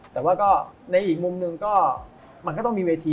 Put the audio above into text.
แต่ว่าก็ในอีกมุมหนึ่งก็มันก็ต้องมีเวที